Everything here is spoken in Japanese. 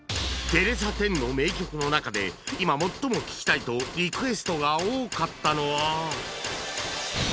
テレサ・テンの名曲の中で今最も聴きたいとリクエストが多かったのは